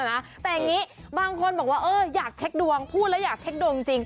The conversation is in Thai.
แต่อย่างนี้บางคนบอกว่าเอออยากเช็คดวงพูดแล้วอยากเช็คดวงจริง